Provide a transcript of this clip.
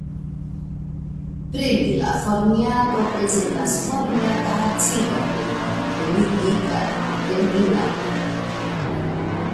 Prenila formiato prezentas Formiata acido grupon ligitan al prenila grupo.